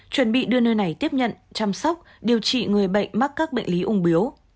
chuẩn bị đưa nơi này tiếp nhận chăm sóc điều trị người bệnh mắc các bệnh lý ung biếu